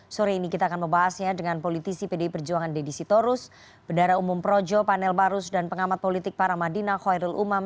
sore ini kita akan membahasnya dengan politisi pdi perjuangan deddy sitorus bendara umum projo panel barus dan pengamat politik para madinah khairul umam